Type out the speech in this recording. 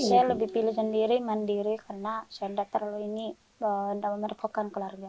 saya lebih pilih sendiri mandiri karena saya tidak terlalu ini tidak memerpokan keluarga